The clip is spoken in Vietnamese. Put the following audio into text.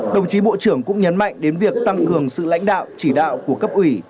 đồng chí bộ trưởng cũng nhấn mạnh đến việc tăng cường sự lãnh đạo chỉ đạo của cấp ủy